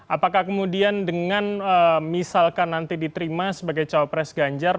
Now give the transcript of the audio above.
apakah kemudian dengan misalkan nanti diterima sebagai cawapres ganjar